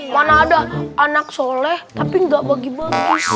mana ada anak soleh tapi gak bagi bagi